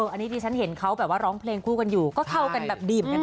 อันนี้ที่ฉันเห็นเขาแบบว่าร้องเพลงคู่กันอยู่ก็เข้ากันแบบดีเหมือนกันนะ